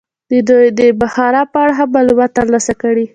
دوی دې د بخارا په اړه هم معلومات ترلاسه کړي.